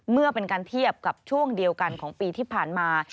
เมื่อเป็นการเทียบกับช่วงเดียวกันของปีที่ผ่านมา